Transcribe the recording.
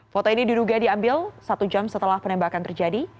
foto ini diduga diambil satu jam setelah penembakan terjadi